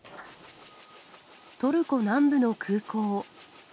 トルコ南部の空港。